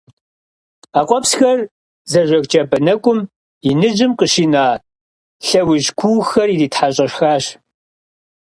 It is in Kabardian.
И къуэпсхэр зэжэх джабэ нэкӀум иныжьым къыщина лъэужь куухэр иритхьэщӀэхащ.